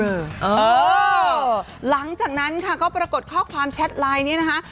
หลังจากนั้นค่ะก็ปรากฏข้อความแชทไลน์นี้นะคะ